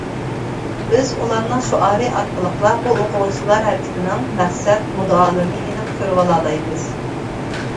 بىز ئۇلارنىڭ شوئارى ئارقىلىقلا بۇ ئوقۇغۇچىلار ھەرىكىتىنىڭ مەقسەت، مۇددىئالىرىنى ئېنىق كۆرۈۋالالايمىز.